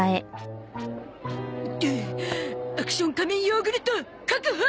アクション仮面ヨーグルト確保！